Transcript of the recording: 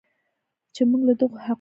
چې موږ له دغو حقونو